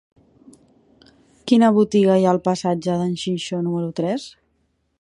Quina botiga hi ha al passatge d'en Xinxó número tres?